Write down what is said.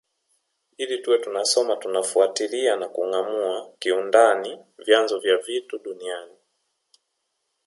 Ila tuwe tunasoma tunafuatilia na kungâamua kiundani vyanzo vya vitu duniani